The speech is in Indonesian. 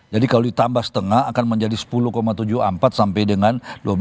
jadi kalau ditambah setengah akan menjadi sepuluh tujuh puluh empat sampai dengan dua belas dua puluh empat